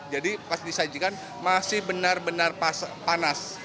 jadi pas disajikan masih benar benar panas